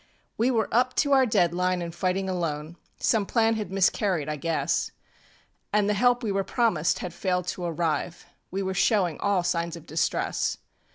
We were up to our dead line anŌĆÖ fighting alone; Some plan had miscarried, I guess, And the help we were promised had failed to arrive. We were showing all signs of distress.